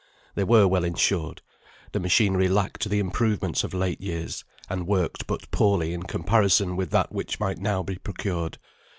They were well insured; the machinery lacked the improvements of late years, and worked but poorly in comparison with that which might now be procured.